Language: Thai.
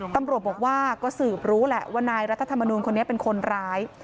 ตำรวจบอกว่าก็สืบรู้แหละว่านายรัฐธรรมนูลคนนี้เป็นคนร้าย